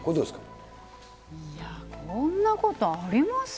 いや、こんなことあります？